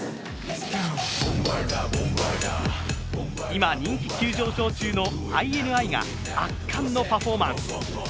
今、人気急上昇中のＩＮＩが圧巻のパフォーマンス。